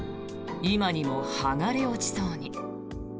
今にも剥がれ落ちそうに。